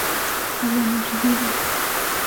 habíamos vivido